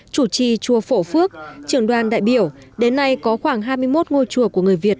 chủ trì chùa phổ phước trưởng đoàn đại biểu đến nay có khoảng hai mươi một ngôi chùa của người việt